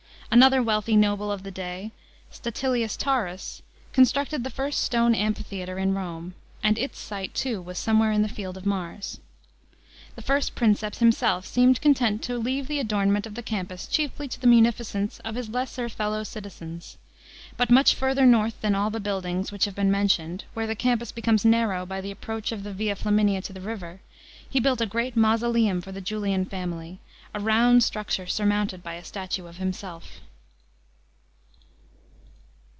Another wealthy noble of the day, Middleton, Remains of Ancient I f Taken from' Lflbke's History of An , ii. 131. I (Bug. Tr.). 7 146 BOMB UNDER AUGUSTUS. CHAP, x Statilius Taurus, constructed the first stone amphitheatre in Rome, and its site, too, was somewhere in the Fie d of Mars. The first Princeps himself seemed content to leave the adornment of the Campus chiefly to the munificence of his lesser fellow citizens. But much further north than all the buildings which have been mentioned, where the Campus heroines narrow by the approach of the Via Flamiuia to the river, he built a great mausoleum for the Julian family, a round structure surmounted by a statue of himself.